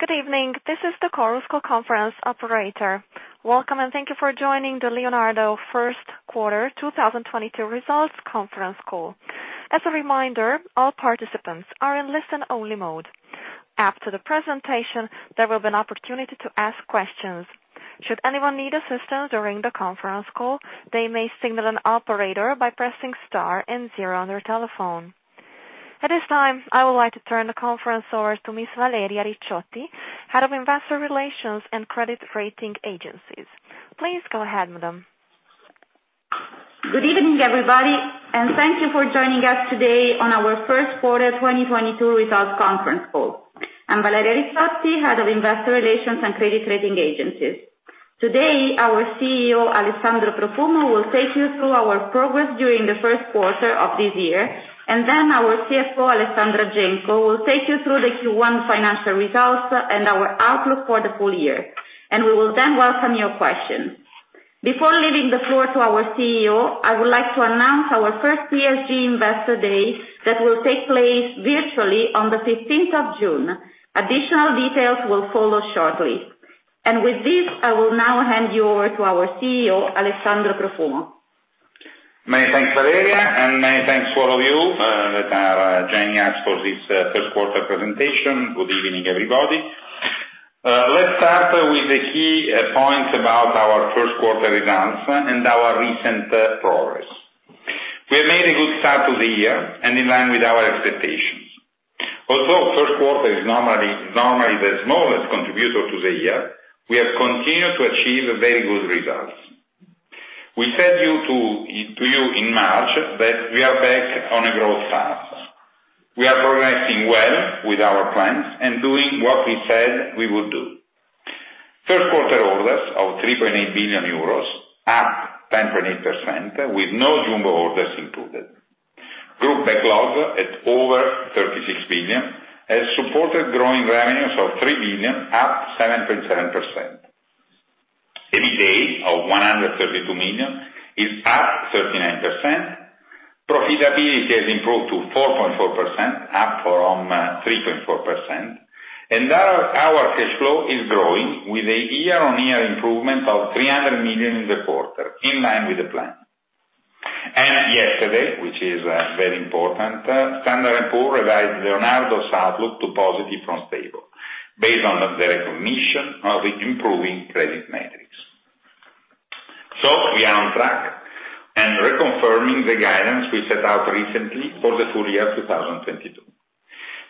Good evening. This is the Chorus Call conference operator. Welcome, and thank you for joining the Leonardo first quarter 2022 results conference call. As a reminder, all participants are in listen only mode. After the presentation, there will be an opportunity to ask questions. Should anyone need assistance during the conference call, they may signal an operator by pressing star and zero on their telephone. At this time, I would like to turn the conference over to Ms. Valeria Ricciotti, Head of Investor Relations and Credit Rating Agencies. Please go ahead, madam. Good evening, everybody, and thank you for joining us today on our first quarter 2022 results conference call. I'm Valeria Ricciotti, Head of Investor Relations and Credit Rating Agencies. Today, our CEO, Alessandro Profumo, will take you through our progress during the first quarter of this year, and then our CFO, Alessandra Genco, will take you through the Q1 financial results and our outlook for the full year. We will then welcome your questions. Before leaving the floor to our CEO, I would like to announce our first ESG Investor Day that will take place virtually on the fifteenth of June. Additional details will follow shortly. With this, I will now hand you over to our CEO, Alessandro Profumo. Many thanks, Valeria, and many thanks to all of you that are joining us for this first quarter presentation. Good evening, everybody. Let's start with the key points about our first quarter results and our recent progress. We have made a good start to the year and in line with our expectations. Although first quarter is normally the smallest contributor to the year, we have continued to achieve very good results. We said to you in March that we are back on a growth path. We are progressing well with our plans and doing what we said we would do. First quarter orders of 3.8 billion euros, up 10.8% with no jumbo orders included. Group backlogs at over 36 billion has supported growing revenues of 3 billion at 7.7%. EBITA of 132 million is up 39%. Profitability has improved to 4.4%, up from 3.4%. Our cash flow is growing with a year-on-year improvement of 300 million in the quarter, in line with the plan. Yesterday, which is very important, Standard & Poor's revised Leonardo's outlook to positive from stable based on the recognition of the improving credit metrics. We are on track and reconfirming the guidance we set out recently for the full year 2022.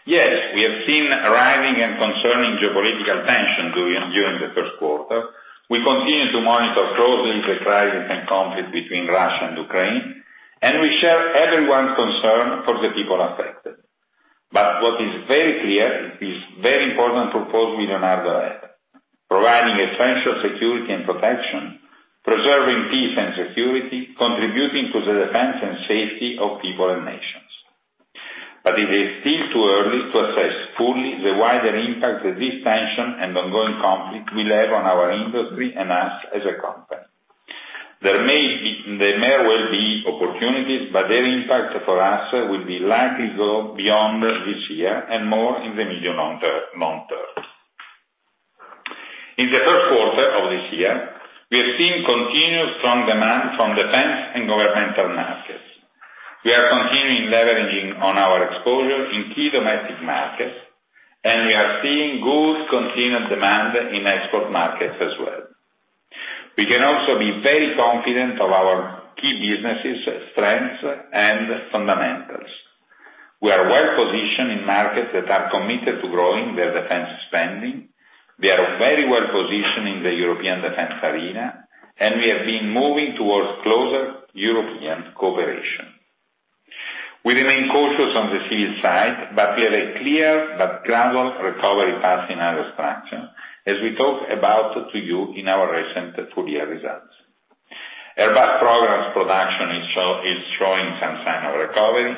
Yes, we have seen rising and concerning geopolitical tension during the first quarter. We continue to monitor closely the crisis and conflict between Russia and Ukraine, and we share everyone's concern for the people affected. What is very clear is very important purpose with Leonardo. Providing essential security and protection, preserving peace and security, contributing to the defense and safety of people and nations. It is still too early to assess fully the wider impact that this tension and ongoing conflict will have on our industry and us as a company. There may well be opportunities, but their impact for us will likely go beyond this year and more in the medium- to long term. In the first quarter of this year, we have seen continuous strong demand from defense and governmental markets. We are continuing leveraging on our exposure in key domestic markets, and we are seeing good continued demand in export markets as well. We can also be very confident of our key businesses, strengths, and fundamentals. We are well positioned in markets that are committed to growing their defense spending. We are very well positioned in the European defense arena, and we have been moving towards closer European cooperation. We remain cautious on the civil side, but we have a clear but gradual recovery path in our structure, as we talked about to you in our recent full year results. Airbus programs production is showing some sign of recovery.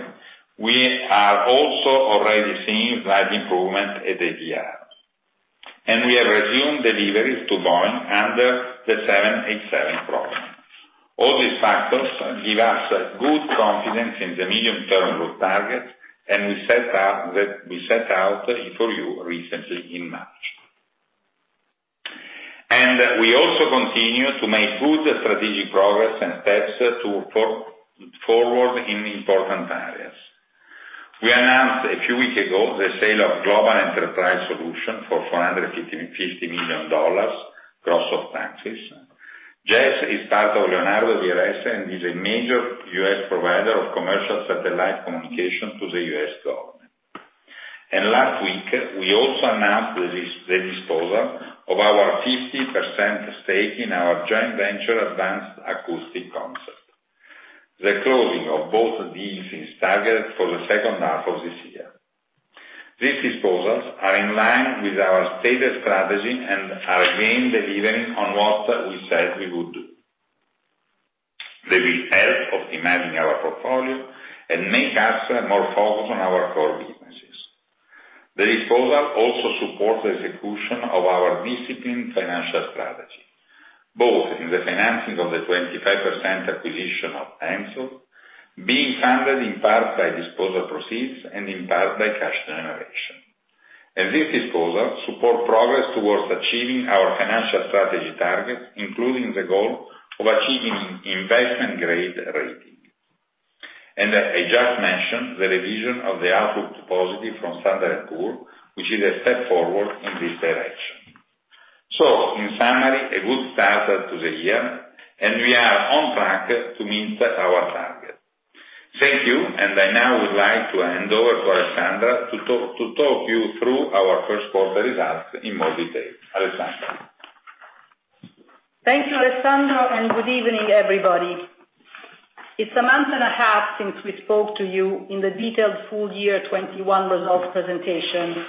We are also already seeing slight improvement at the year. We have resumed deliveries to Boeing under the 787 program. All these factors give us good confidence in the medium-term growth target, and we set out for you recently in March. We also continue to make good strategic progress and steps forward in important areas. We announced a few weeks ago the sale of Global Enterprise Solutions for $450 million gross of taxes. GES is part of Leonardo DRS, and is a major U.S. provider of commercial satellite communication to the U.S. government. Last week, we also announced the disposal of our 50% stake in our joint venture, Advanced Acoustic Concepts. The closing of both deals is targeted for the second half of this year. These disposals are in line with our stated strategy and are again delivering on what we said we would do. They will help optimizing our portfolio and make us more focused on our core businesses. The disposal also supports the execution of our disciplined financial strategy. Both in the financing of the 25% acquisition of Hensoldt, being funded in part by disposal proceeds and in part by cash generation. This disposal support progress towards achieving our financial strategy target, including the goal of achieving investment-grade rating. As I just mentioned, the revision of the outlook to positive from Standard & Poor's, which is a step forward in this direction. In summary, a good starter to the year, and we are on track to meet our target. Thank you, and I now would like to hand over to Alessandra to talk you through our first quarter results in more detail. Alessandra? Thank you, Alessandro, and good evening, everybody. It's a month and a half since we spoke to you in the detailed full year 2021 results presentation.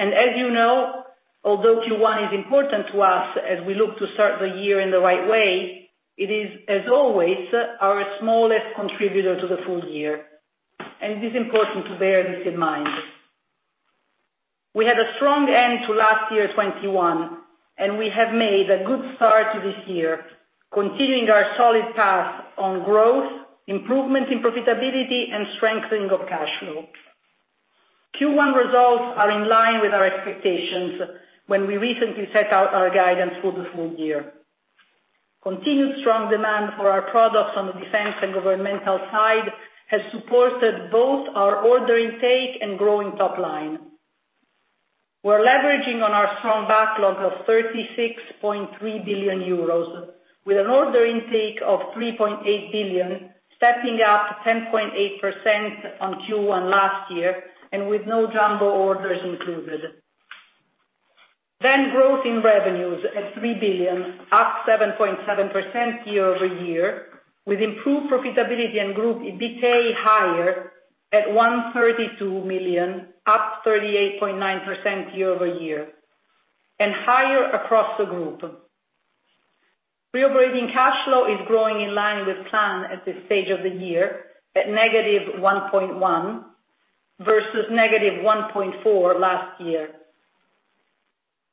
As you know, although Q1 is important to us as we look to start the year in the right way, it is, as always, our smallest contributor to the full year, and it is important to bear this in mind. We had a strong end to last year 2021, and we have made a good start to this year, continuing our solid path on growth, improvement in profitability, and strengthening of cash flow. Q1 results are in line with our expectations when we recently set out our guidance for the full year. Continued strong demand for our products on the defense and governmental side has supported both our order intake and growing top line. We're leveraging on our strong backlog of 36.3 billion euros with an order intake of 3.8 billion, stepping up 10.8% on Q1 last year and with no jumbo orders included. Growth in revenues at 3 billion, up 7.7% year-over-year, with improved profitability and group EBITDA higher at EUR 132 million, up 38.9% year-over-year, and higher across the group. Free operating cash flow is growing in line with plan at this stage of the year, at -1.1 versus -1.4 last year.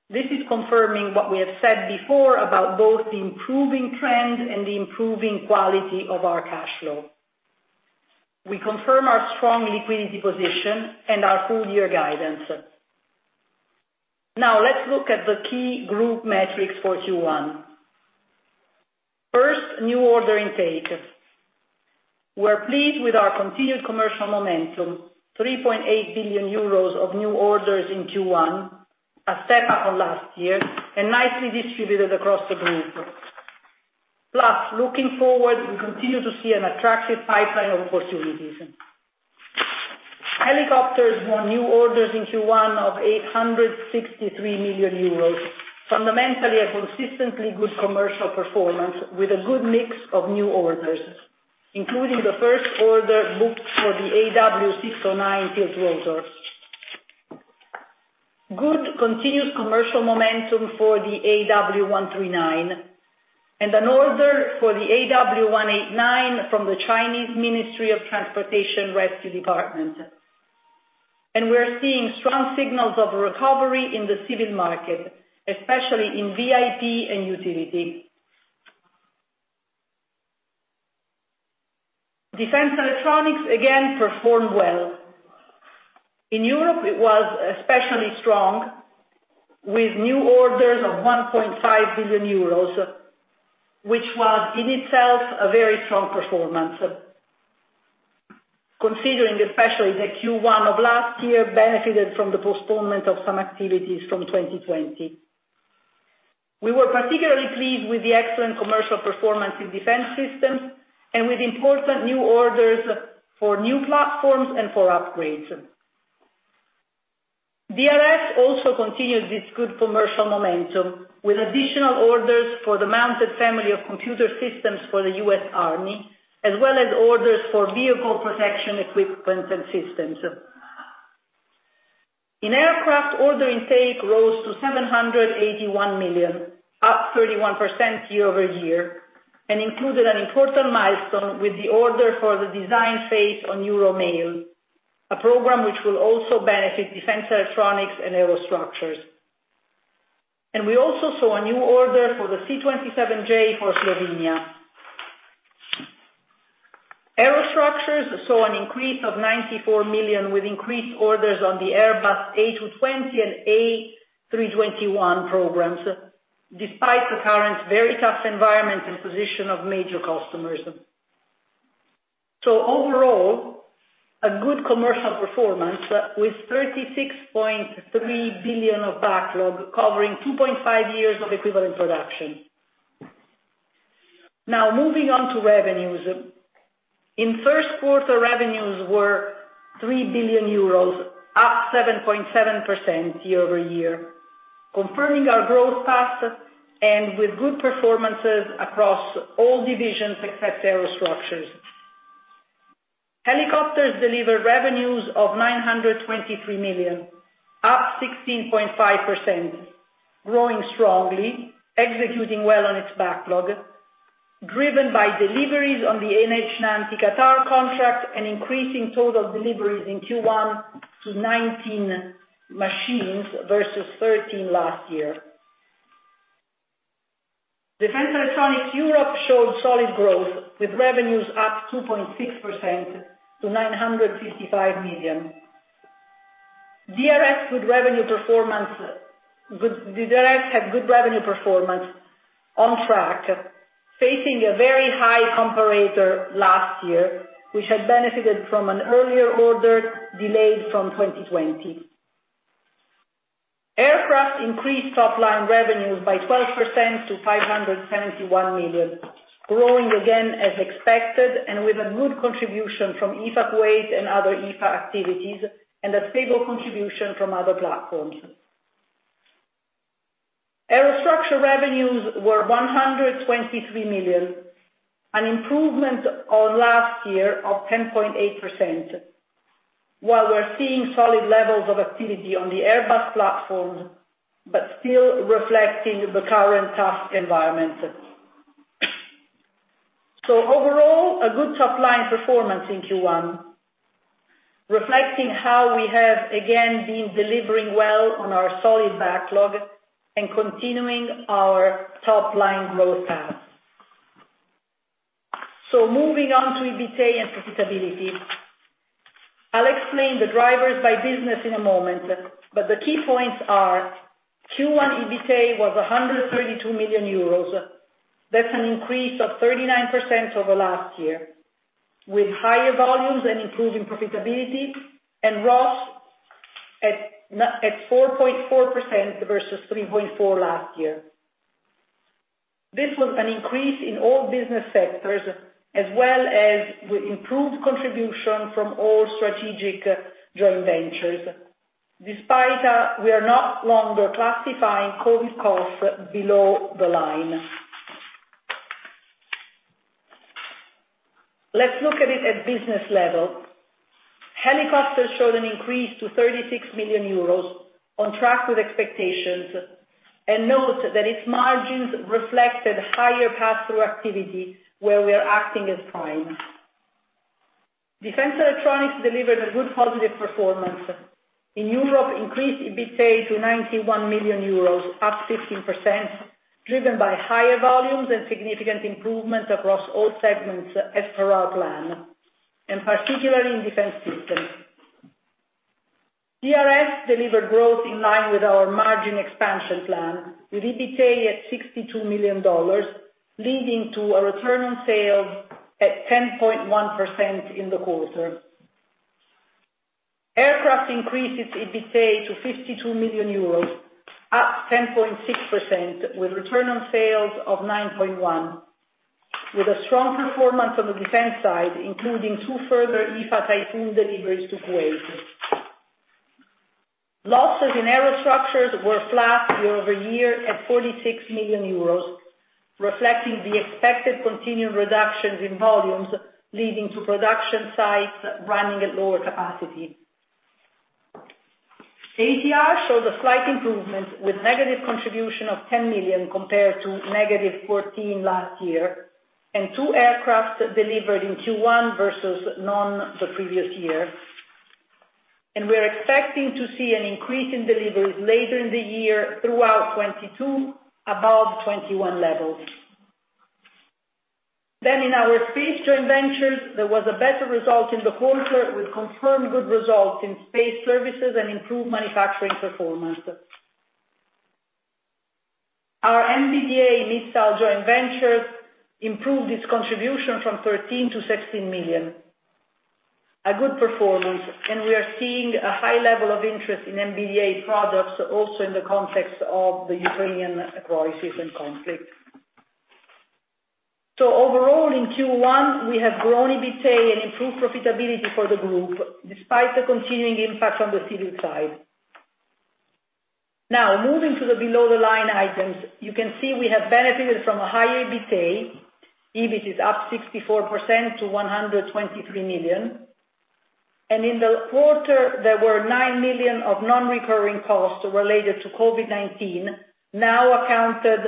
This is confirming what we have said before about both the improving trend and the improving quality of our cash flow. We confirm our strong liquidity position and our full-year guidance. Now, let's look at the key group metrics for Q1. First, new order intake. We're pleased with our continued commercial momentum, 3.8 billion euros of new orders in Q1, a step-up on last year, and nicely distributed across the group. Plus, looking forward, we continue to see an attractive pipeline of opportunities. Helicopters won new orders in Q1 of 863 million euros, fundamentally a consistently good commercial performance with a good mix of new orders, including the first order booked for the AW609 tiltrotor. Good continuous commercial momentum for the AW139 and an order for the AW189 from the Rescue and Salvage Bureau of the Ministry of Transport. We're seeing strong signals of recovery in the civil market, especially in VIP and utility. Defense electronics, again, performed well. In Europe, it was especially strong with new orders of 1.5 billion euros, which was, in itself, a very strong performance, considering especially the Q1 of last year benefited from the postponement of some activities from 2020. We were particularly pleased with the excellent commercial performance in defense systems and with important new orders for new platforms and for upgrades. DRS also continues this good commercial momentum with additional orders for the mounted family of computer systems for the U.S. Army, as well as orders for vehicle protection equipment and systems. In aircraft, order intake rose to 781 million, up 31% year-over-year, and included an important milestone with the order for the design phase on EuroMALE, a program which will also benefit defense electronics and aerostructures. We also saw a new order for the C-27J for Slovenia. Aerostructures saw an increase of 94 million, with increased orders on the Airbus A220 and A321 programs, despite the current very tough environment and position of major customers. Overall, a good commercial performance with 36.3 billion of backlog, covering 2.5 years of equivalent production. Now, moving on to revenues. In first quarter, revenues were 3 billion euros, up 7.7% year-over-year, confirming our growth path and with good performances across all divisions except aerostructures. Helicopters delivered revenues of 923 million, up 16.5%, growing strongly, executing well on its backlog, driven by deliveries on the NH90 Qatar contract and increasing total deliveries in Q1 to 19 machines versus 13 last year. Defense Electronics Europe showed solid growth, with revenues up 2.6% to 955 million. DRS showed good revenue performance. DRS had good revenue performance on track, facing a very high comparator last year, which had benefited from an earlier order delayed from 2020. Aircraft increased top line revenues by 12% to 571 million, growing again as expected and with a good contribution from EFA Kuwait and other EFA activities, and a stable contribution from other platforms. Aerostructure revenues were 123 million, an improvement on last year of 10.8%, while we're seeing solid levels of activity on the Airbus platform, but still reflecting the current tough environment. Overall, a good top line performance in Q1, reflecting how we have again been delivering well on our solid backlog and continuing our top line growth path. Moving on to EBITA and profitability. I'll explain the drivers by business in a moment, but the key points are Q1 EBITA was 132 million euros. That's an increase of 39% over last year, with higher volumes and improving profitability and ROS at 4.4% versus 3.4% last year. This was an increase in all business sectors as well as the improved contribution from all strategic joint ventures. Despite we are no longer classifying COVID costs below the line. Let's look at it at business level. Helicopters showed an increase to 36 million euros on track with expectations, and note that its margins reflected higher pass-through activity where we are acting as prime. Defense electronics delivered a good positive performance. In Europe, increased EBITA to 91 million euros, up 15%, driven by higher volumes and significant improvement across all segments as per our plan, and particularly in defense systems. DRS delivered growth in line with our margin expansion plan, with EBITA at $62 million, leading to a return on sales at 10.1% in the quarter. Aircraft increased its EBITA to 52 million euros, up 10.6%, with return on sales of 9.1%, with a strong performance on the defense side, including two further EFA Typhoon deliveries to Kuwait. Losses in aerostructures were flat year-over-year at 46 million euros, reflecting the expected continued reductions in volumes leading to production sites running at lower capacity. ATR showed a slight improvement with negative contribution of 10 million compared to negative 14 million last year, and two aircraft delivered in Q1 versus none the previous year. We are expecting to see an increase in deliveries later in the year throughout 2022, above 2021 levels. In our space joint ventures, there was a better result in the quarter with confirmed good results in space services and improved manufacturing performance. Our MBDA missile joint venture improved its contribution from 13 million to 16 million. A good performance, and we are seeing a high level of interest in MBDA products also in the context of the Ukrainian crisis and conflict. Overall, in Q1, we have grown EBITA and improved profitability for the group, despite the continuing impact on the civil side. Now, moving to the below-the-line items, you can see we have benefited from a higher EBITA. EBIT is up 64% to 123 million. In the quarter, there were 9 million of non-recurring costs related to COVID-19, now accounted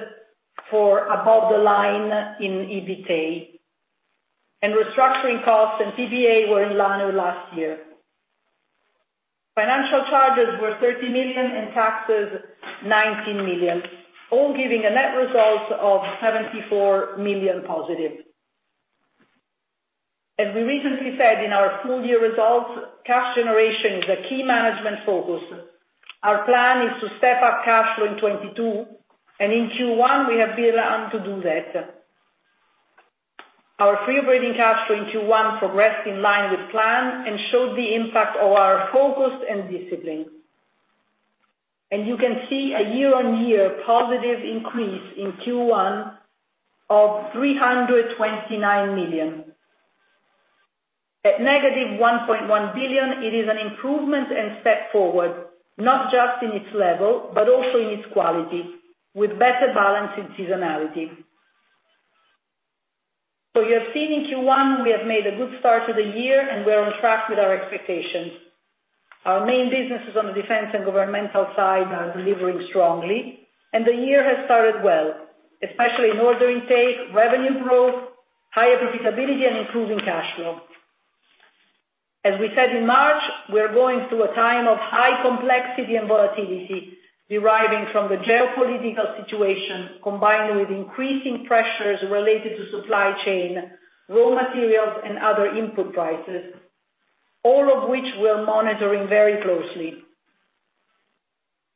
for above the line in EBITA. Restructuring costs and PPA were in line with last year. Financial charges were 30 million and taxes 19 million, all giving a net result of 74 million positive. As we recently said in our full year results, cash generation is a key management focus. Our plan is to step up cash flow in 2022, and in Q1, we have been able to do that. Our Free Operating Cash Flow in Q1 progressed in line with plan and showed the impact of our focus and discipline. You can see a year-on-year positive increase in Q1 of 329 million. At -1.1 billion, it is an improvement and step forward, not just in its level, but also in its quality, with better balance in seasonality. You have seen in Q1, we have made a good start to the year and we are on track with our expectations. Our main businesses on the defense and governmental side are delivering strongly, and the year has started well, especially in order intake, revenue growth, higher profitability and improving cash flow. As we said in March, we are going through a time of high complexity and volatility deriving from the geopolitical situation, combined with increasing pressures related to supply chain, raw materials and other input prices, all of which we're monitoring very closely.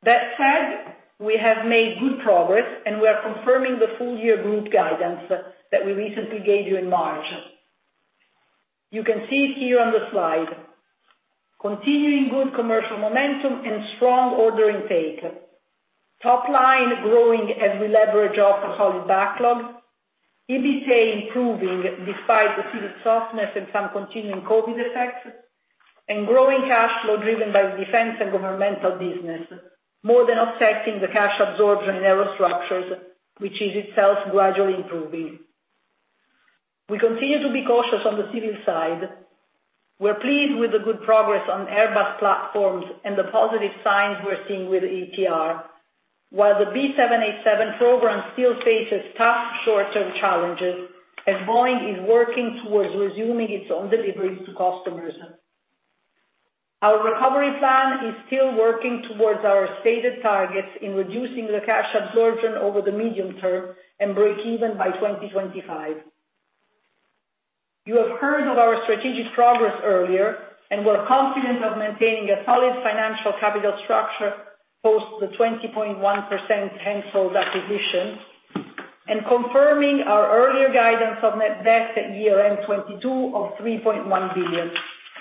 That said, we have made good progress, and we are confirming the full year group guidance that we recently gave you in March. You can see it here on the slide. Continuing good commercial momentum and strong order intake. Top line growing as we leverage off a solid backlog. EBITA improving despite the civil softness and some continuing COVID effects, and growing cash flow driven by the defense and governmental business, more than offsetting the cash absorption in aero structures, which is itself gradually improving. We continue to be cautious on the civil side. We're pleased with the good progress on Airbus platforms and the positive signs we're seeing with ETR. While the B787 program still faces tough short-term challenges, as Boeing is working towards resuming its own deliveries to customers. Our recovery plan is still working towards our stated targets in reducing the cash absorption over the medium term and break even by 2025. You have heard of our strategic progress earlier, and we're confident of maintaining a solid financial capital structure post the 20.1% HENSOLDT acquisition, and confirming our earlier guidance of net debt at year-end 2022 of 3.1 billion,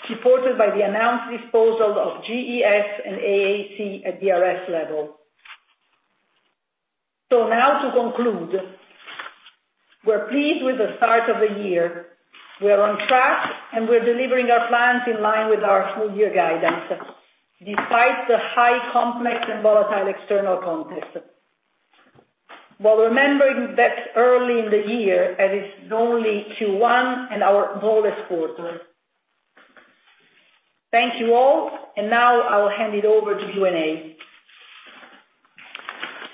supported by the announced disposal of GES and AAC at DRS level. Now to conclude, we're pleased with the start of the year. We are on track, and we're delivering our plans in line with our full year guidance, despite the highly complex and volatile external context. While remembering that's early in the year, as it's only Q1 and our smallest quarter. Thank you all, and now I will hand it over to Q&A.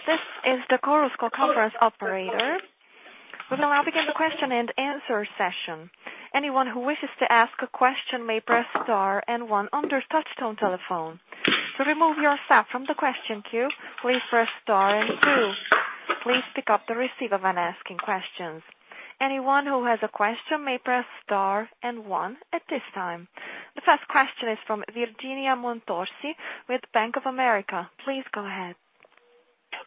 This is the Chorus Call conference operator. We'll now begin the question and answer session. Anyone who wishes to ask a question may press star and one on their touchtone telephone. To remove yourself from the question queue, please press star and two. Please pick up the receiver when asking questions. Anyone who has a question may press star and one at this time. The first question is from Virginia Montorsi with Bank of America. Please go ahead.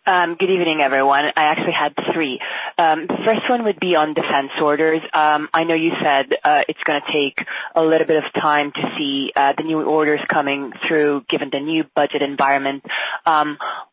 Good evening, everyone. I actually had three. First one would be on defense orders. I know you said it's gonna take a little bit of time to see the new orders coming through, given the new budget environment.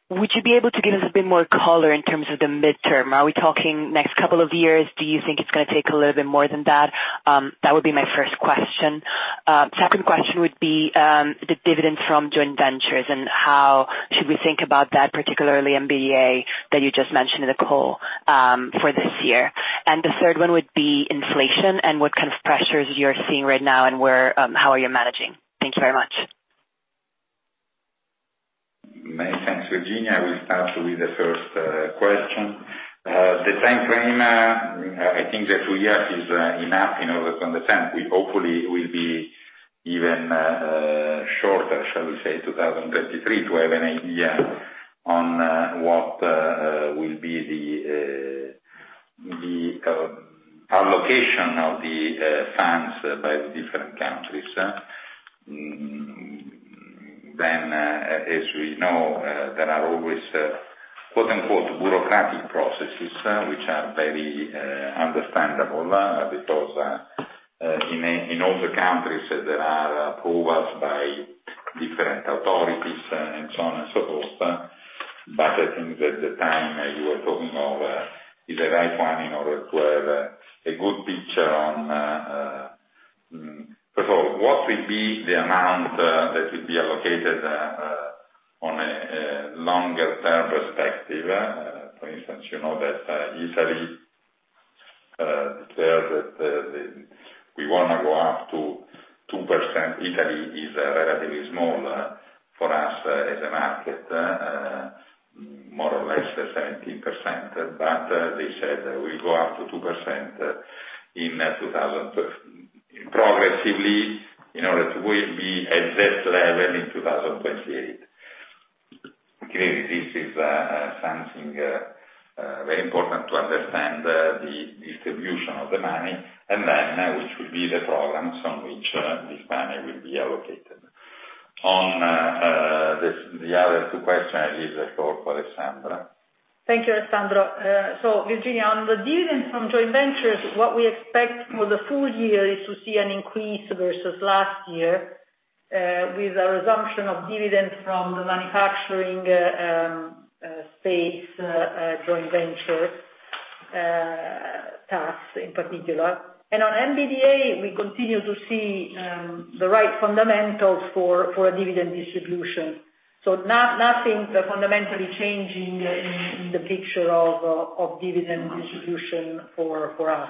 Would you be able to give us a bit more color in terms of the midterm? Are we talking next couple of years? Do you think it's gonna take a little bit more than that? That would be my first question. Second question would be the dividend from joint ventures and how should we think about that, particularly MBDA, that you just mentioned in the call, for this year. The third one would be inflation and what kind of pressures you're seeing right now and where, how are you managing? Thank you very much. Many thanks, Virginia. We'll start with the first question. The timeframe, I think the two years is enough in order to understand. We hopefully will be even shorter, shall we say 2033, to have an idea on what will be the allocation of the funds by the different countries. As we know, there are always quote, unquote, "bureaucratic processes," which are very understandable, because in other countries there are approvals by different authorities and so on and so forth. I think that the time you were talking of is the right one in order to have a good picture on first of all, what will be the amount that will be allocated on a longer term perspective. For instance, you know that Italy declared that we wanna go up to 2%. Italy is relatively small for us as a market, more or less 17%. But they said we go up to 2% progressively in order to will be at this level in 2028. Clearly, this is something very important to understand the distribution of the money and then which will be the programs on which this money will be allocated. On this, the other two questions, I leave the floor for Alessandra. Thank you, Alessandro. Virginia, on the dividend from joint ventures, what we expect for the full year is to see an increase versus last year, with a resumption of dividends from the manufacturing space joint venture, Thales Alenia Space in particular. On MBDA, we continue to see the right fundamentals for a dividend distribution. Nothing fundamentally changing in the picture of dividend distribution for us.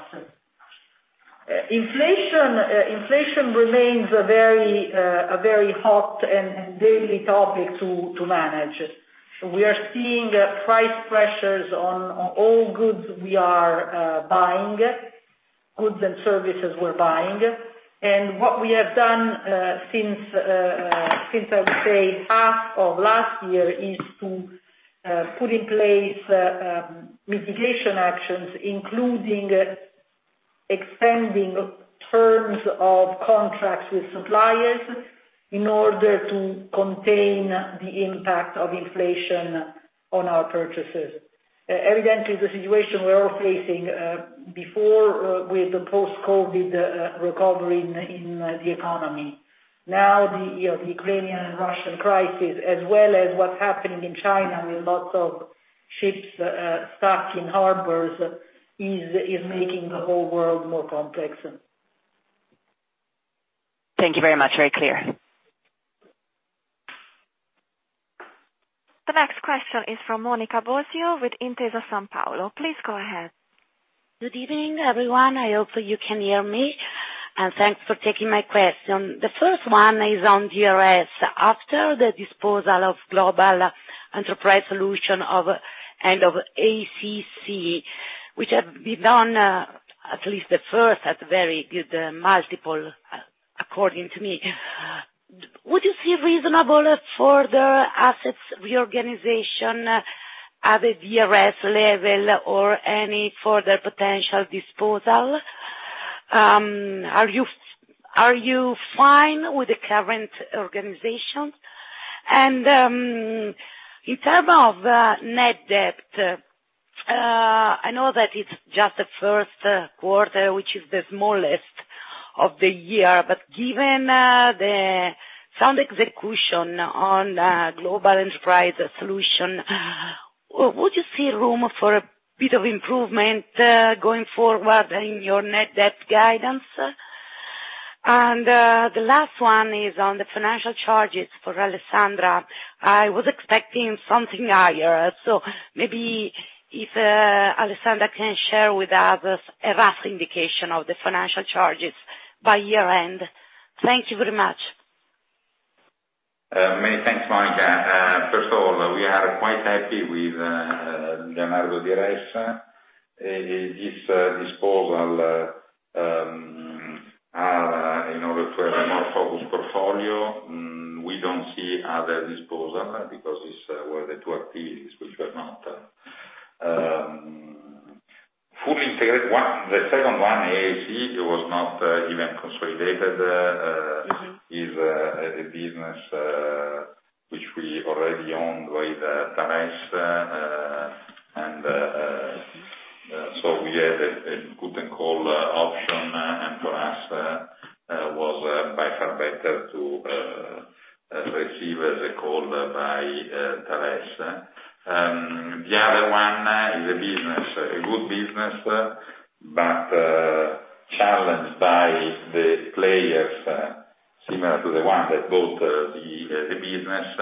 Inflation remains a very hot and daily topic to manage. We are seeing price pressures on all goods we are buying, goods and services we're buying. What we have done since I would say half of last year is to put in place mitigation actions, including extending terms of contracts with suppliers in order to contain the impact of inflation on our purchases. Evidently the situation we're all facing before with the post-COVID recovery in the economy. Now you know the Ukrainian and Russian crisis, as well as what's happening in China with lots of ships stuck in harbors is making the whole world more complex. Thank you very much. Very clear. The next question is from Monica Bosio with Intesa Sanpaolo. Please go ahead. Good evening, everyone. I hope you can hear me, and thanks for taking my question. The first one is on DRS. After the disposal of Global Enterprise Solutions and AAC, which have been done at least the first at very good multiple according to me. Would you see reasonable for the assets reorganization at the DRS level or any further potential disposal? Are you fine with the current organization? In terms of net debt, I know that it's just the first quarter, which is the smallest of the year, but given the sound execution on Global Enterprise Solutions, would you see room for a bit of improvement going forward in your net debt guidance? The last one is on the financial charges for Alessandra. I was expecting something higher. Maybe if Alessandra can share with us a rough indication of the financial charges by year end. Thank you very much. Many thanks, Monica. First of all, we are quite happy with Leonardo DRS. This disposal in order to have a more focused portfolio, we don't see other disposal because these were the two activities which were not fully integrated. One, the second one, AAC, it was not even consolidated, is a business which we already own with Thales. So we had a put and call option. For us it was by far better to receive the call by Thales. The other one is a business, a good business, but challenged by the players similar to the one that bought the business.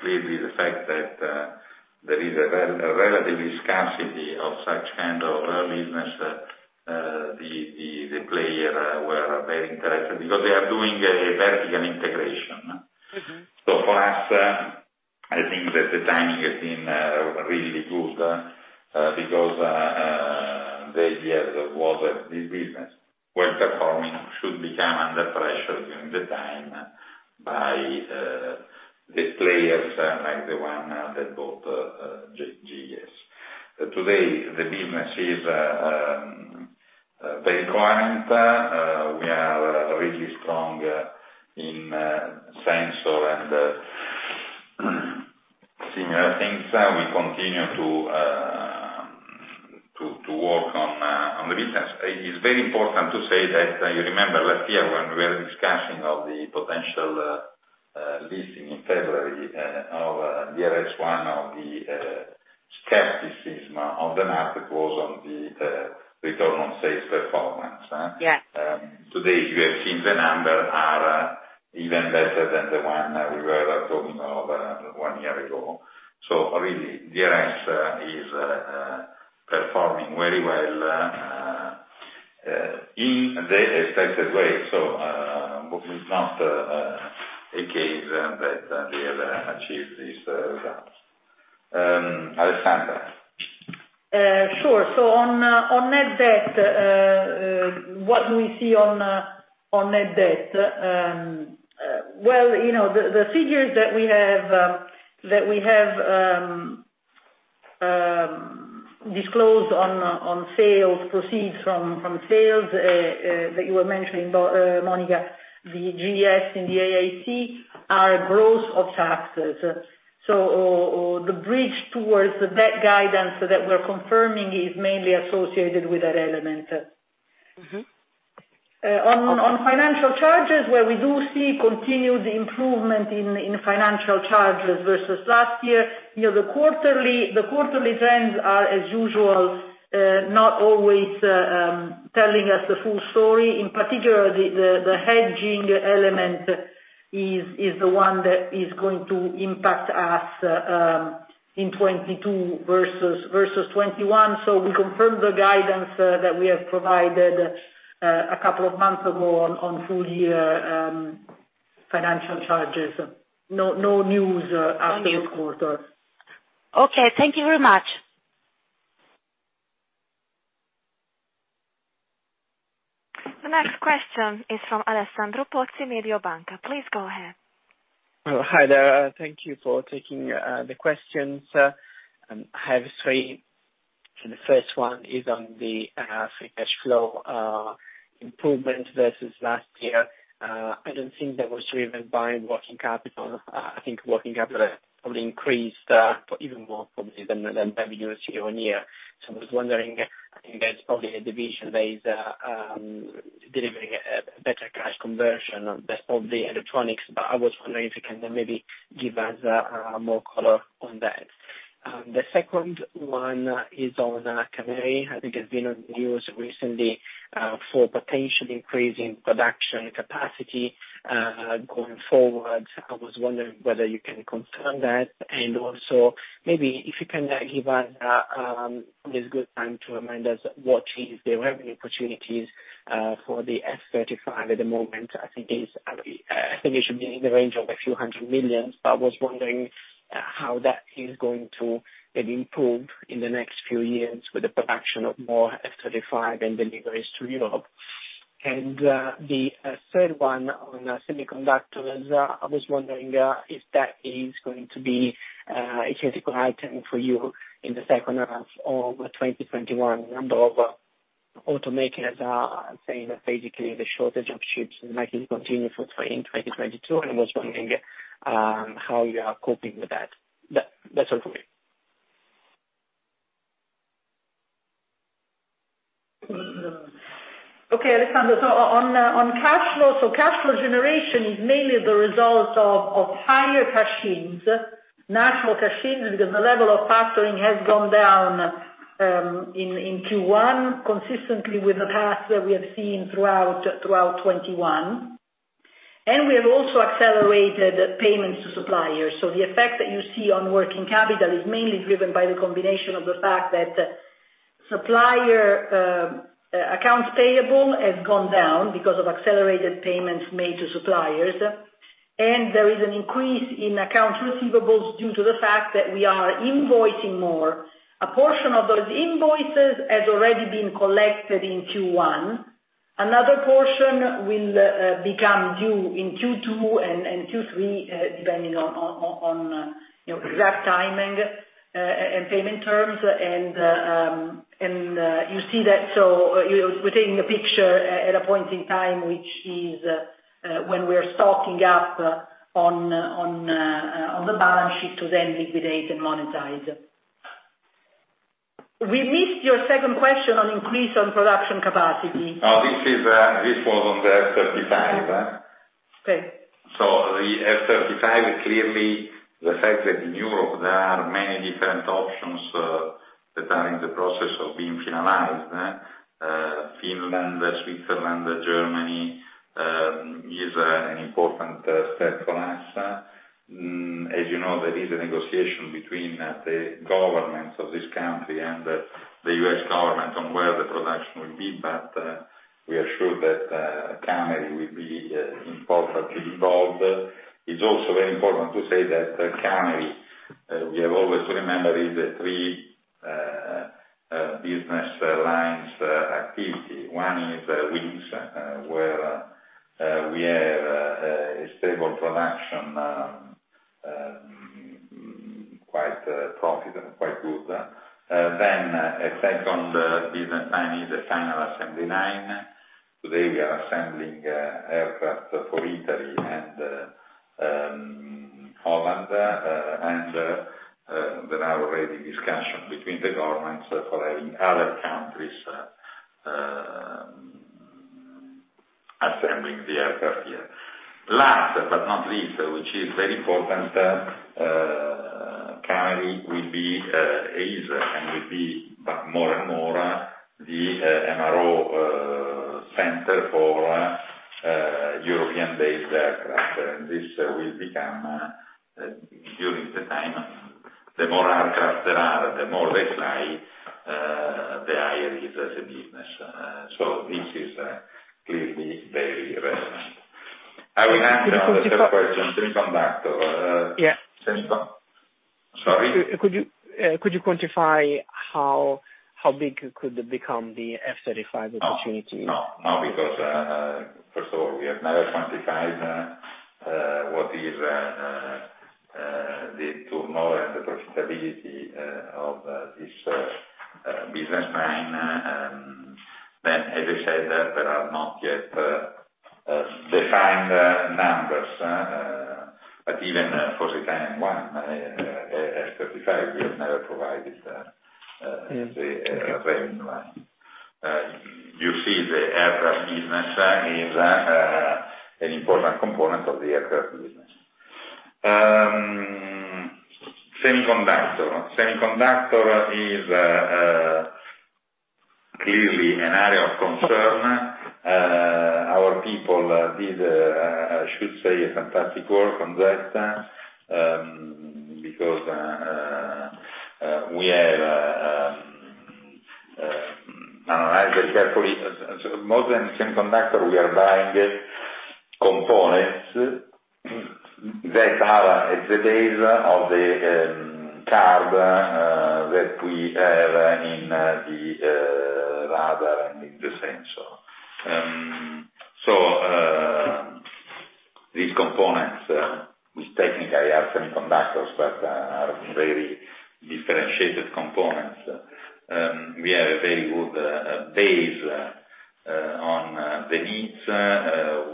Clearly, the fact that there is a relative scarcity of such kind of business, the player were very interested because they are doing a vertical integration. Mm-hmm. For us, I think that the timing has been really good because the idea was that this business, well performing, should become under pressure during the time by the players like the one that bought GES. Today, the business is very clean. We are really strong in sensor and similar things. We continue to work on the business. It is very important to say that, you remember last year when we were discussing the potential listing in February of DRS, one of the skepticism of the market was on the return on sales performance? Yes. Today you have seen the number are even better than the one we were talking of one year ago. Really, DRS is performing very well in the expected way. It's not a case that they have achieved these results. Alessandra? Sure. On net debt, what do we see on net debt? Well, you know, the figures that we have disclosed on sales proceeds from sales that you were mentioning, Monica, the GES and the AAC, are gross of taxes. The bridge towards the net guidance that we're confirming is mainly associated with that element. Mm-hmm. Uh, on- Okay. On financial charges where we do see continued improvement in financial charges versus last year, you know, the quarterly trends are as usual not always telling us the full story. In particular the hedging element is the one that is going to impact us in 2022 versus 2021. We confirm the guidance that we have provided a couple of months ago on full year financial charges. No news after this quarter. Okay. Thank you very much. The next question is from Alessandro Pozzi, Mediobanca. Please go ahead. Oh, hi there. Thank you for taking the questions. I have three, and the first one is on the free cash flow improvement versus last year. I don't think that was driven by working capital. I think working capital probably increased even more probably than revenues year-on-year. I was wondering, I think that's probably a division that is delivering a better cash conversion based on the electronics, but I was wondering if you can maybe give us more color on that. The second one is on Cameri. I think it's been on the news recently for potential increase in production capacity going forward. I was wondering whether you can confirm that. Also maybe if you can give us this good time to remind us what is the revenue opportunities for the F-35 at the moment. I think it should be in the range of EUR a few hundred million, but was wondering how that is going to get improved in the next few years with the production of more F-35 and deliveries to Europe. The third one on semiconductors. I was wondering if that is going to be a critical item for you in the second half of 2021. A number of automakers are saying that basically the shortage of chips might continue for 2022. I was wondering how you are coping with that. That's all for me. Okay, Alessandro. On cash flow, cash flow generation is mainly the result of higher cash-ins, net cash-ins, because the level of factoring has gone down in Q1, consistently with the path that we have seen throughout 2021. We have also accelerated payments to suppliers. The effect that you see on working capital is mainly driven by the combination of the fact that supplier accounts payable has gone down because of accelerated payments made to suppliers. There is an increase in accounts receivables due to the fact that we are invoicing more. A portion of those invoices has already been collected in Q1. Another portion will become due in Q2 and Q3, depending on, you know, exact timing and payment terms. You see that. You know, we're taking a picture at a point in time which is when we are stocking up on the balance sheet to then liquidate and monetize. We missed your second question on increase on production capacity. This was on the F-35. Okay. The F-35, clearly the fact that in Europe there are many different options that are in the process of being finalized, Finland, Switzerland, Germany, is an important step for us. As you know, there is a negotiation between the governments of this country and the U.S. government on where the production will be. We are sure that Cameri will be importantly involved. It's also very important to say that Cameri, we have always to remember, is a three business lines activity. One is wings, where we have a stable production, quite profitable and quite good. Then a second business line is the final assembly line. Today we are assembling aircraft for Italy and Holland. There are already discussions between the governments for having other countries assembling the aircraft here. Last but not least, which is very important, Cameri is and will be but more and more the MRO center for European-based aircraft. This will become, during the time, the more aircraft there are, the more they fly, the higher is the business. This is clearly very relevant. I will answer the third question, semiconductor. Yeah. Semiconductor. Sorry? Could you quantify how big could become the F-35 opportunity? No, because first of all, we have never quantified what is the turnover and the profitability of this business line. As I said, there are not yet defined numbers. Even for Saturn I, F-35, we have never provided- Yes. The revenue line. You see the aircraft business is an important component of the aircraft business. Semiconductor is clearly an area of concern. Our people did, I should say, a fantastic work on that, because we have analyzed carefully. More than semiconductor, we are buying components that have at the base of the core that we have in the radar and in the sensor. These components, which technically are semiconductors, but are very differentiated components. We have a very good base on the needs.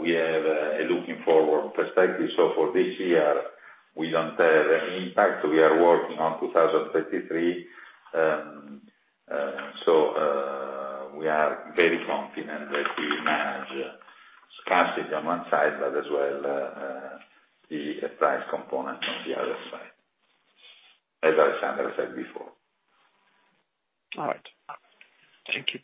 We have a forward-looking perspective. For this year we don't have any impact. We are working on 2023. We are very confident that we manage scarcity on one side, but as well, the price component on the other side, as Alessandra said before. All right. Thank you.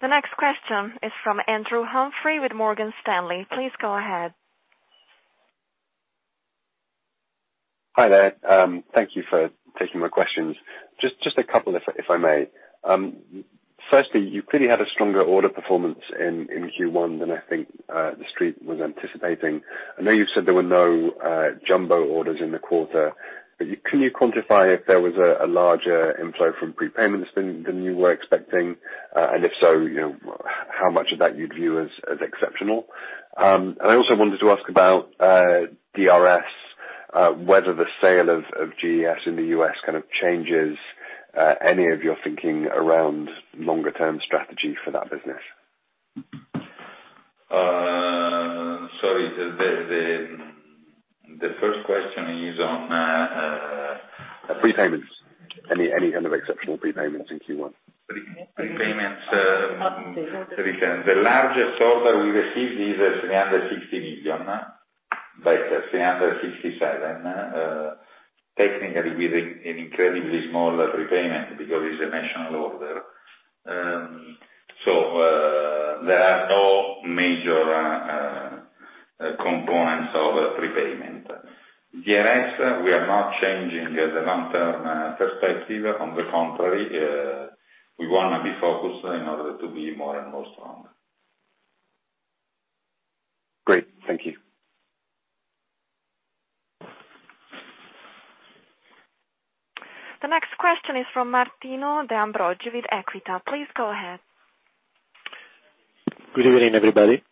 The next question is from Andrew Humphrey with Morgan Stanley. Please go ahead. Hi there. Thank you for taking my questions. Just a couple if I may. Firstly, you clearly had a stronger order performance in Q1 than I think the Street was anticipating. I know you've said there were no jumbo orders in the quarter, but can you quantify if there was a larger inflow from prepayments than you were expecting? And if so, you know, how much of that you'd view as exceptional? And I also wanted to ask about DRS, whether the sale of GES in the U.S. kind of changes any of your thinking around longer term strategy for that business? Sorry. The first question is on, Prepayments. Any kind of exceptional prepayments in Q1? Prepayments. The largest order we received is 360 million. That's 367 million. Technically with an incredibly small prepayment because it's a national order. There are no major components of prepayment. DRS, we are not changing the long-term perspective. On the contrary, we wanna be focused in order to be more and more strong. Great. Thank you. The next question is from Martino De Ambroggi with Equita. Please go ahead. Good evening, everybody.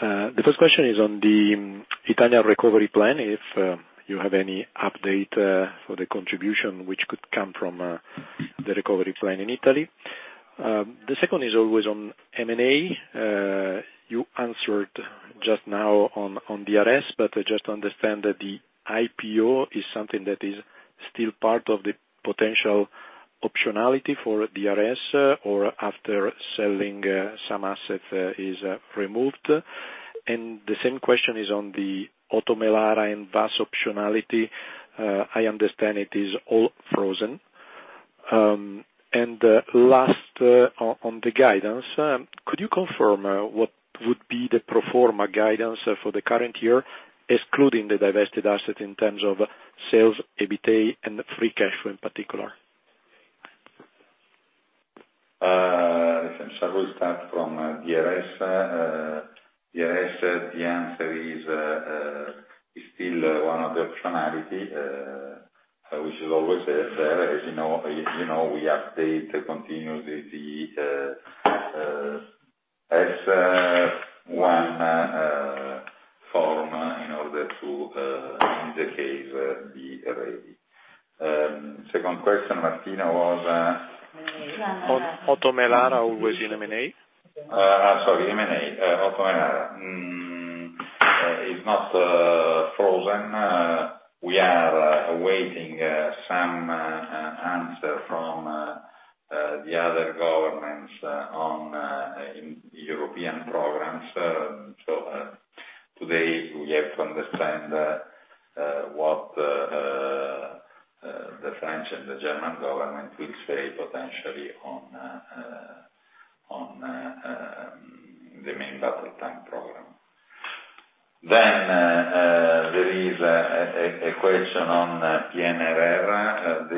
The first question is on the Italian recovery plan. If you have any update for the contribution which could come from the recovery plan in Italy. The second is always on M&A. You answered just now on DRS, but I just understand that the IPO is something that is still part of the potential optionality for DRS or after selling some assets is removed. The same question is on the OTO Melara and WASS optionality. I understand it is all frozen. Last on the guidance, could you confirm what would be the pro forma guidance for the current year, excluding the divested asset in terms of sales, EBITA, and free cash flow in particular? Listen, shall we start from DRS? DRS, the answer is still one of the optionality which is always there. As you know, we update continuously the S-1 form in order to be ready in the case. Second question, Martino was OTO Melara always in M&A. I'm sorry. M&A. OTO Melara is not frozen. We are awaiting some answer from the other governments on in European programs. Today we have to understand what the French and the German government will say potentially on the Main Battle Tank program. There is a question on PNRR.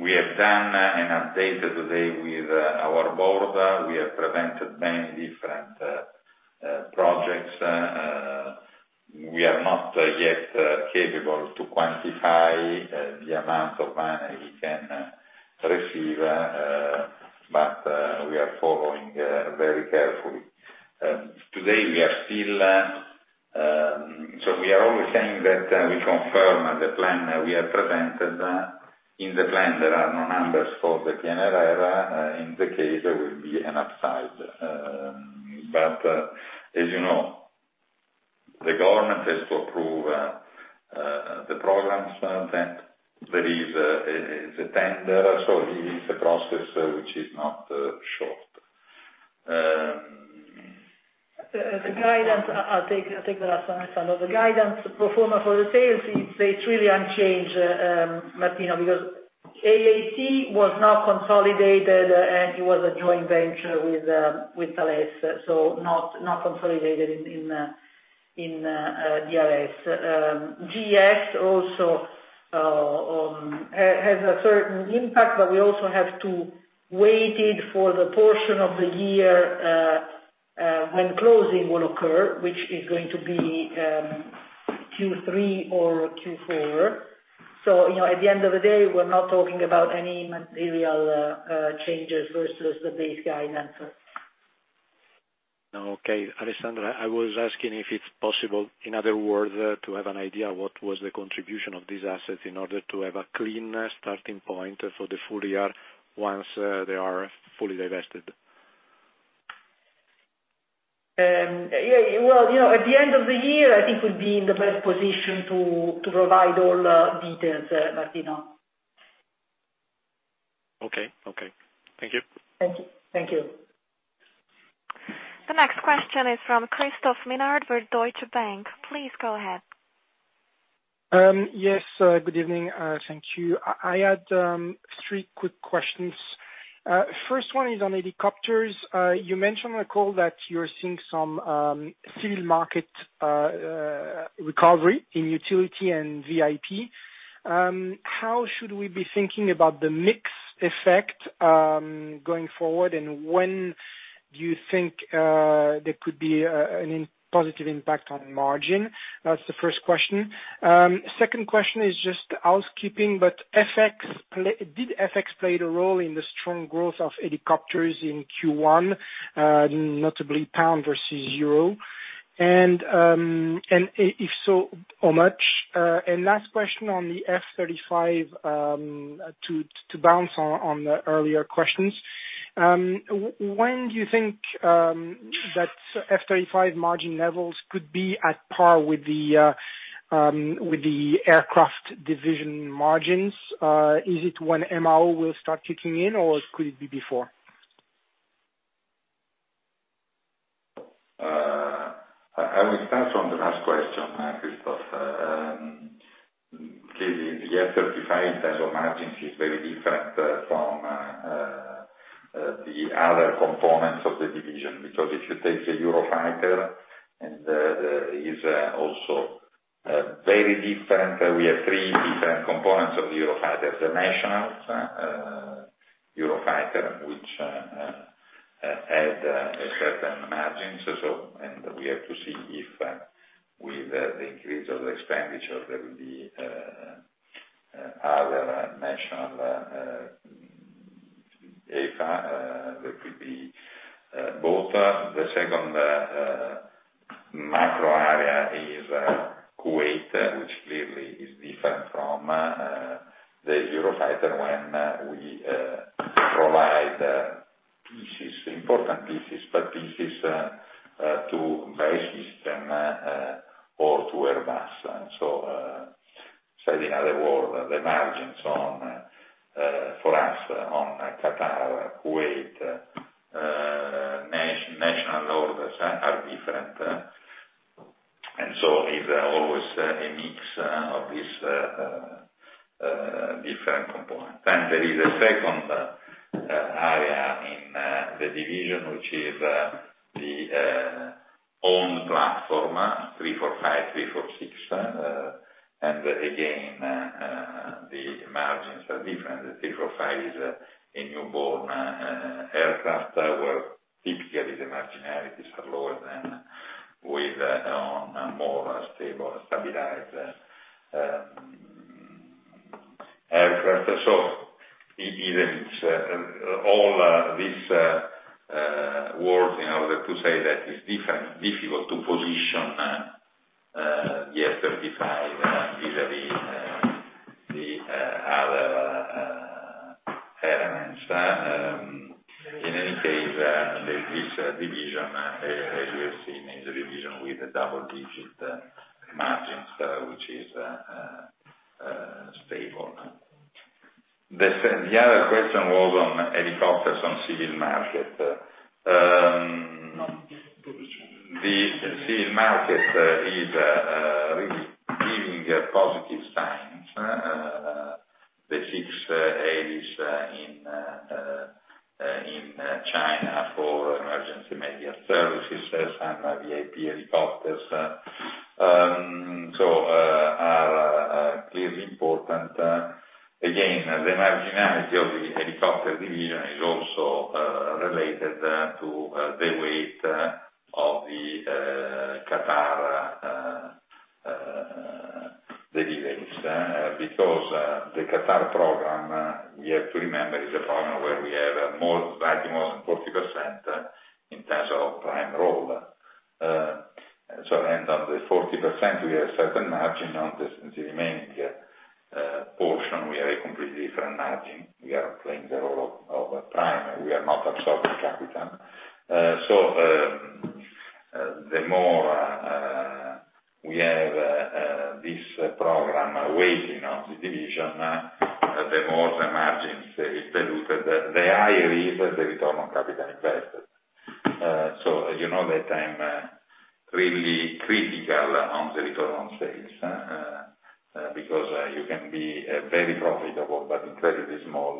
We have done an update today with our board. We have presented many different projects. We are not yet capable to quantify the amount of money we can receive, but we are following very carefully. Today we are still. We are always saying that we confirm the plan we have presented. In the plan there are no numbers for the PNRR. In that case there will be an upside. As you know, has to approve the programs. That there is a tender. It is a process which is not short. The guidance, I'll take the last one, Alessandro. The guidance pro forma for the sales, it's really unchanged, Martino, because AAC was now consolidated, and it was a joint venture with Thales, so not consolidated in DRS. GES also has a certain impact, but we also have to wait for the portion of the year when closing will occur, which is going to be Q3 or Q4. You know, at the end of the day, we're not talking about any material changes versus the base guidance. No. Okay. Alessandra, I was asking if it's possible, in other words, to have an idea what was the contribution of these assets in order to have a clean starting point for the full year once they are fully divested. Yeah, well, you know, at the end of the year, I think we'll be in the best position to provide all the details, Martino. Okay. Okay. Thank you. Thank you. Thank you. The next question is from Christophe Menard with Deutsche Bank. Please go ahead. Yes, good evening. Thank you. I had three quick questions. First one is on helicopters. You mentioned on the call that you're seeing some civil market recovery in utility and VIP. How should we be thinking about the mix effect going forward, and when do you think there could be a positive impact on margin? That's the first question. Second question is just housekeeping, but did FX play the role in the strong growth of helicopters in Q1, notably pound versus euro? And if so, how much? Last question on the F-35, to bounce on the earlier questions, when do you think that F-35 margin levels could be at par with the aircraft division margins? Is it when MRO will start kicking in, or could it be before? I will start from the last question, Christophe. Clearly, the F-35 in terms of margins is very different from the other components of the division. Because if you take a Eurofighter, it is also very different, we have three different components of the Eurofighter. The national Eurofighter, which had a certain margin. We have to see if, with the increase of the expenditure, there will be other national EFA that could be both. The second macro area is Kuwait, which clearly is different from the Eurofighter when we provide pieces, important pieces, but pieces to BAE Systems or to Airbus. Said in other words, the margins on for us on Qatar, Kuwait, national orders are different. It is always a mix of this different component. There is a second area in the division, which is the own platform, M-345, M-346. And again, the margins are different. The M-345 is a newborn aircraft where typically the marginalities are lower than with a more stable, stabilized aircraft. Even all this words in order to say that it's different, difficult to position the F-35 vis-à-vis the other elements. In any case, this division, as you have seen, is a division with double-digit margins, which is stable. The other question was on helicopters on civil market. No, in production. The civil market is really giving positive signs. The 169 is in China for emergency medical services and VIP helicopters, so are clearly important. Again, the marginality of the helicopter division is also related to the weight of the Qatar delays. Because the Qatar program, we have to remember, is a program where we have slightly more than 40% in terms of prime role. So, on the 40%, we have certain margin on this, the remaining portion, we have a completely different margin. We are playing the role of a prime. We are not absorbing capital. The more we have this program weighing on the division, the more the margins are diluted, the higher is the return on capital invested. You know that I'm really critical on the return on sales, because you can be very profitable but incredibly small,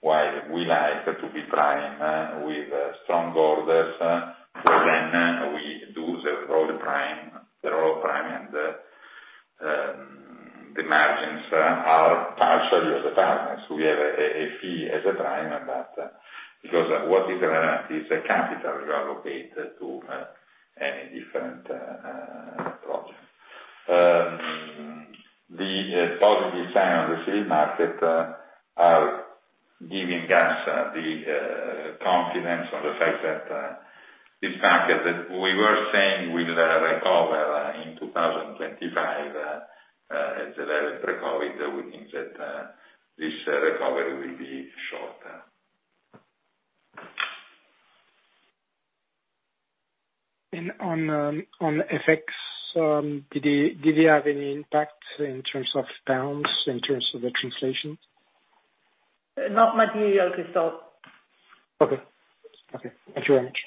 while we like to be prime with strong orders. We do the role of prime, and the margins are partially as a partner. We have a fee as a prime, but because the capital is reallocated to any different project. The positive sign on the civil market are giving us the confidence on the fact that this market that we were saying will recover in 2025 as pre-COVID. We think that this recovery will be shorter. On FX effects, did it have any impact in terms of pounds, in terms of the translations? Not materially, Christophe. Okay, thank you very much.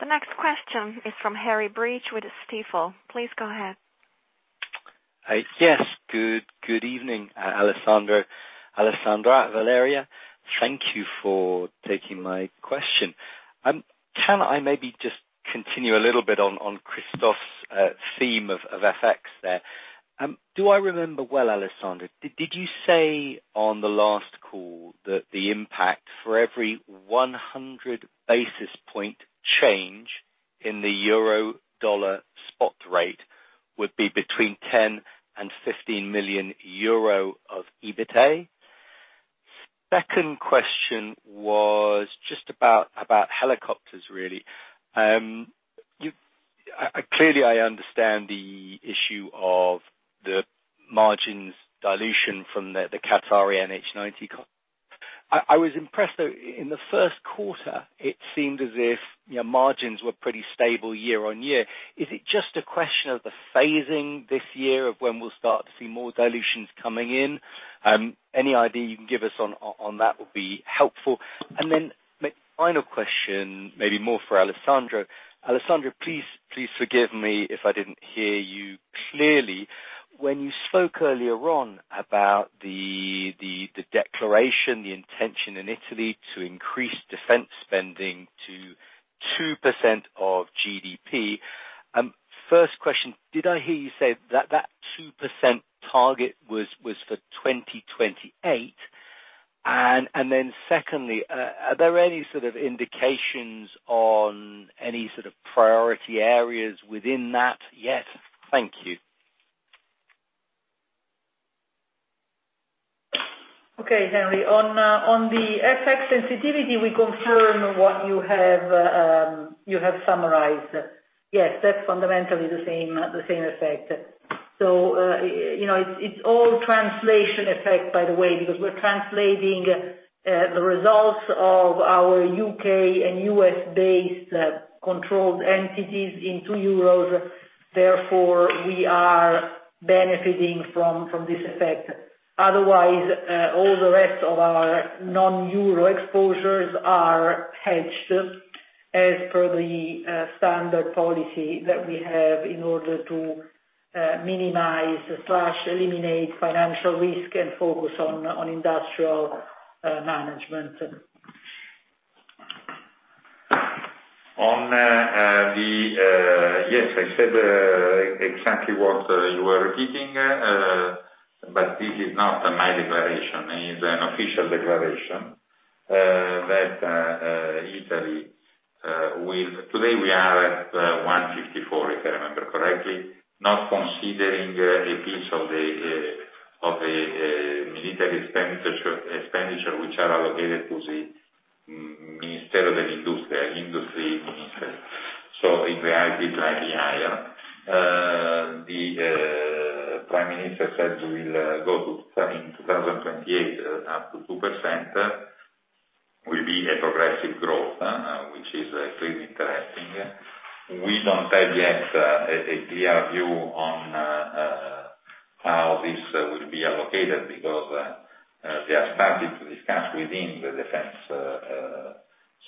The next question is from Harry Breach with Stifel. Please go ahead. Yes. Good evening, Alessandro, Alessandra, Valeria. Thank you for taking my question. Can I maybe just continue a little bit on Christophe's theme of FX there? Do I remember well, Alessandro, did you say on the last call that the impact for every 100 basis point change in the euro dollar spot rate would be between 10 million and 15 million euro of EBITA? Second question was just about helicopters really. You clearly understand the issue of the margins dilution from the Qatari NH90. I was impressed though, in the first quarter it seemed as if, you know, margins were pretty stable year-on-year. Is it just a question of the phasing this year of when we'll start to see more dilutions coming in? Any idea you can give us on that would be helpful. Then my final question, maybe more for Alessandro. Alessandro, please forgive me if I didn't hear you clearly when you spoke earlier on about the declaration, the intention in Italy to increase defense spending to 2% of GDP. First question, did I hear you say that two percent target was for 2028? Then secondly, are there any sort of indications on any sort of priority areas within that yet? Thank you. Okay, Harry. On the FX sensitivity, we confirm what you have summarized. Yes, that's fundamentally the same effect. You know, it's all translation effect by the way because we're translating the results of our U.K. and U.S.-based controlled entities into euros, therefore we are benefiting from this effect. Otherwise, all the rest of our non-euro exposures are hedged as per the standard policy that we have in order to minimize slash eliminate financial risk and focus on industrial management. Yes, I said exactly what you are repeating, but this is not my declaration. It is an official declaration that Italy today we are at 1.54, if I remember correctly, not considering a piece of the military expenditure which are allocated to the minister of industry. So in reality, it might be higher. The prime minister said we will go to in 2028 up to 2% will be a progressive growth, which is extremely interesting. We don't have yet a clear view on how this will be allocated because they are starting to discuss within the defense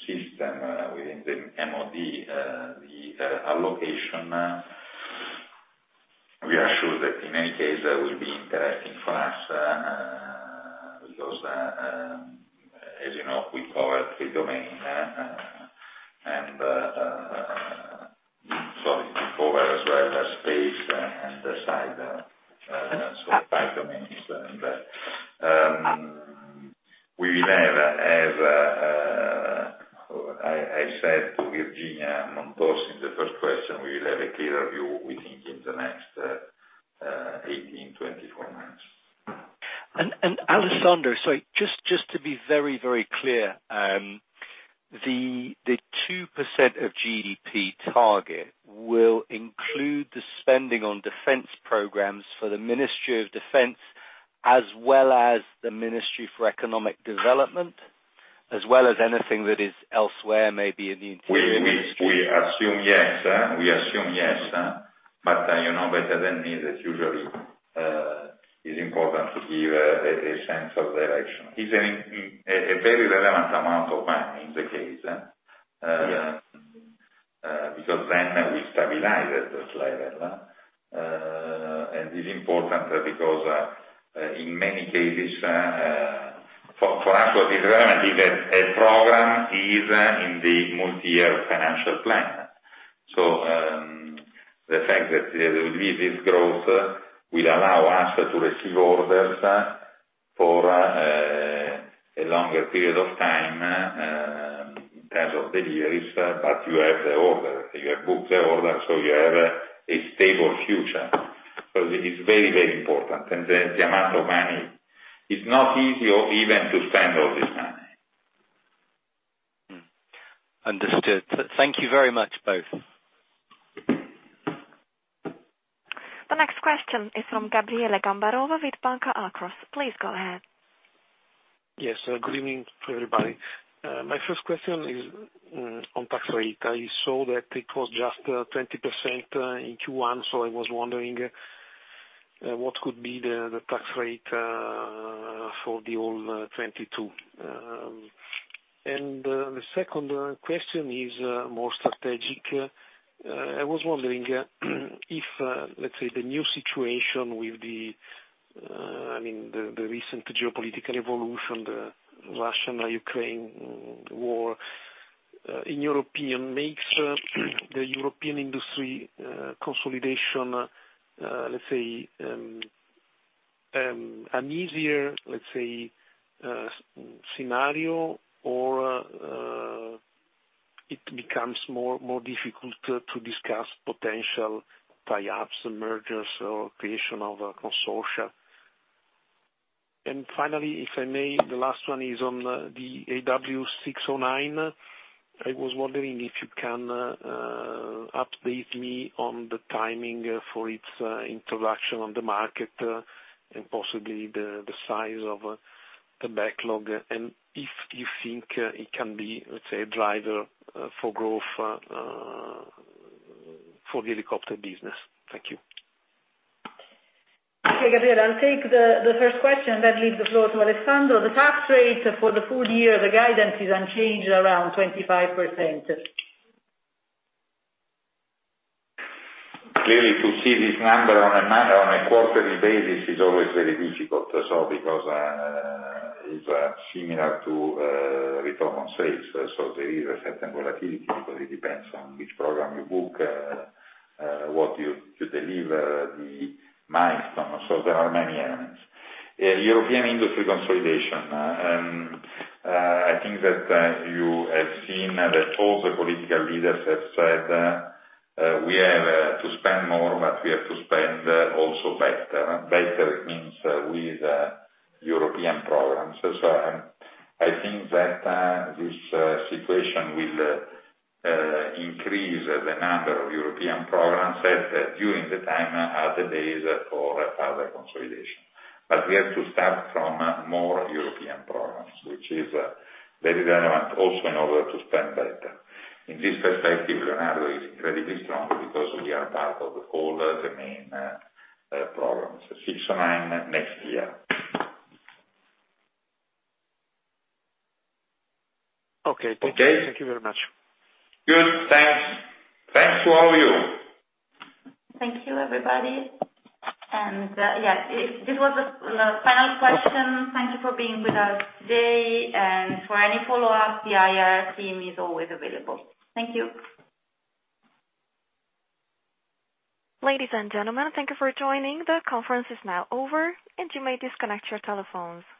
system, within the MOD, the allocation. We are sure that in any case that will be interesting for us, because, as you know, we cover three domains, and so we cover as well the space and the cyber side, so five domains. We will have a clearer view, we think, in the next 18 months-24 months. Alessandro, sorry, just to be very clear, the 2% of GDP target will include the spending on defense programs for the Ministry of Defence, as well as the Ministry of Economic Development, as well as anything that is elsewhere, maybe in the Interior Ministry? We assume yes. You know better than me that usually it is important to give a sense of direction. It is a very relevant amount of money in this case because then we stabilize at this level. It is important because in many cases for us what is relevant is that a program is in the multi-year financial plan. The fact that there will be this growth will allow us to receive orders for a longer period of time in terms of deliveries, but you have the order, you have booked the order, so you have a stable future. It is very, very important. The amount of money, it is not easy or even to spend all this money. Understood. Thank you very much, both. The next question is from Gabriele Gambarova with Banca Akros. Please go ahead. Yes. Good evening to everybody. My first question is on tax rate. I saw that it was just 20% in Q1, so I was wondering what could be the tax rate for the whole 2022. The second question is more strategic. I was wondering if, let's say, the new situation with, I mean, the recent geopolitical evolution, the Russia-Ukraine war in Europe makes the European industry consolidation, let's say, an easier scenario or it becomes more difficult to discuss potential tie-ups and mergers or creation of a consortia. Finally, if I may, the last one is on the AW609. I was wondering if you can update me on the timing for its introduction on the market, and possibly the size of the backlog, and if you think it can be, let's say, a driver for growth for the helicopter business. Thank you. Okay, Gabriele, I'll take the first question, then leave the floor to Alessandro. The tax rate for the full year, the guidance is unchanged around 25%. Clearly, to see this number on a quarterly basis is always very difficult. Because it's similar to return on sales. There is a certain volatility, but it depends on which program you book, what you deliver, the milestone. There are many elements. European industry consolidation. I think that you have seen that all the political leaders have said, we have to spend more, but we have to spend also better. Better means with European programs. I think that this situation will increase the number of European programs as during the time are the days for further consolidation. We have to start from more European programs, which is very relevant also in order to spend better. In this perspective, Leonardo is incredibly strong because we are part of all the main programs. FCAS next year. Okay. Okay? Thank you very much. Good. Thanks. Thanks to all of you. Thank you, everybody. This was the final question. Thank you for being with us today. For any follow-up, the IR team is always available. Thank you. Ladies and gentlemen, thank you for joining. The conference is now over, and you may disconnect your telephones.